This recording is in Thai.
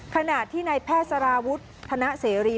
ขณะที่ในแพทย์สารวุฒิธนเสรี